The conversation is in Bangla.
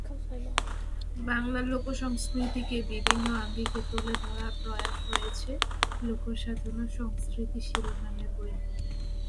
বাংলার লোকসংস্কৃতিকে বিভিন্ন আঙ্গিকে তুলে ধরার প্রয়াস রয়েছে লোকসাধনার সংস্কৃতি শিরোনামের বইয়ে।